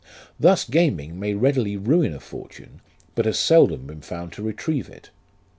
Thus gaming may readily ruin a fortune, but has seldom been found to retrieve it.